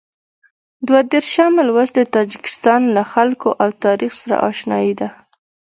دوه دېرشم لوست د تاجکستان له خلکو او تاریخ سره اشنايي ده.